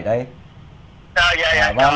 dạ dạ dạ dạ